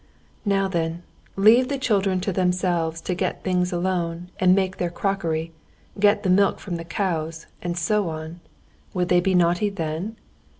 "Now then, leave the children to themselves to get things alone and make their crockery, get the milk from the cows, and so on. Would they be naughty then?